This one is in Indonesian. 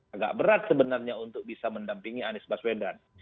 agak berat sebenarnya untuk bisa mendampingi anies baswedan